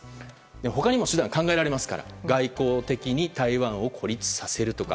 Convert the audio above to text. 他にも手段は考えられますから外交的に台湾を孤立させるとか